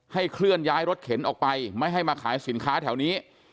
เคลื่อนย้ายรถเข็นออกไปไม่ให้มาขายสินค้าแถวนี้